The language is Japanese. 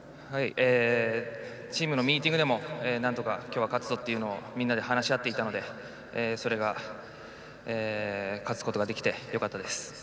チームのミーティングでもなんとかきょうは勝つぞとみんなで話し合っていたのでそれが勝つことができてよかったです。